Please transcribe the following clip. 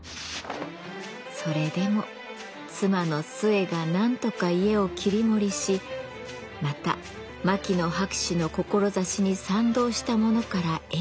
それでも妻の寿衛がなんとか家を切り盛りしまた牧野博士の志に賛同した者から援助を受け。